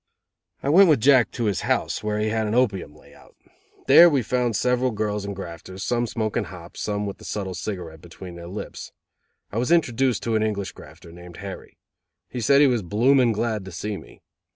I went with Jack to his house, where he had an opium layout. There we found several girls and grafters, some smoking hop, some with the subtle cigarette between their lips. I was introduced to an English grafter, named Harry. He said he was bloomin' glad to see me.